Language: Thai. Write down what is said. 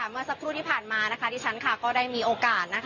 เมื่อสักครู่ที่ผ่านมาดิฉันก็ได้มีโอกาส